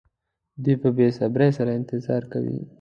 دوی په بې صبرۍ سره انتظار کوي.